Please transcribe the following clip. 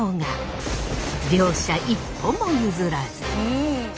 両者一歩も譲らず。